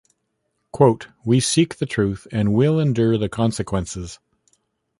Quote: We seek the truth and will endure the consequences.